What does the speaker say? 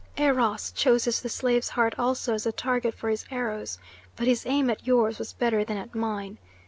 Eros chooses the slave's heart also as the target for his arrows; but his aim at yours was better than at mine.